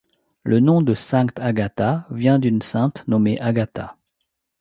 Le nom de Sankt Agatha vient d’une sainte nommée Agatha.